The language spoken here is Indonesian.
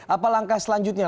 apa langkah selanjutnya